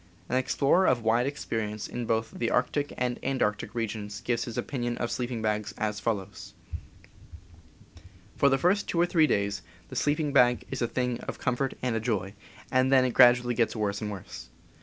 An explorer of wide experience both in the arctic and antarctic regions gives his opinion of sleeping bags as follows : For the first two or three days the sleeping bag is a thing of comfort and a joy, and then it gradually gets worse and worse.